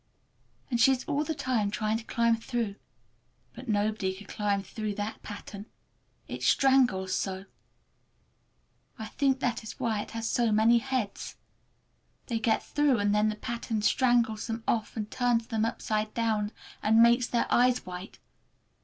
And she is all the time trying to climb through. But nobody could climb through that pattern—it strangles so; I think that is why it has so many heads. They get through, and then the pattern strangles them off and turns them upside down, and makes their eyes white!